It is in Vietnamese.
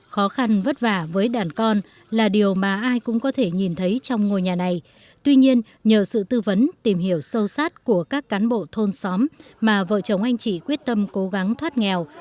khó khăn vất vả với đàn con là điều mà ai cũng có thể nhìn thấy trong ngôi nhà này tuy nhiên nhờ sự tư vấn tìm hiểu sâu sát của các cán bộ thôn xóm mà vợ chồng anh chị quyết tâm cố gắng thoát nghèo